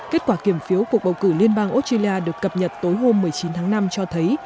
kết quả kiểm phiếu cuộc bầu cử liên bang australia được cập nhật tối hôm một mươi chín tháng năm cho thấy